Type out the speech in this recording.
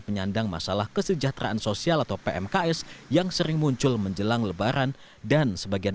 penyandang masalah kesejahteraan sosial atau pmks yang sering muncul menjelang lebaran dan sebagian